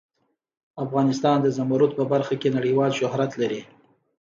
افغانستان د زمرد په برخه کې نړیوال شهرت لري.